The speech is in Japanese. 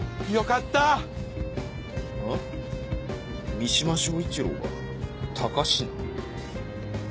三島彰一郎が高階？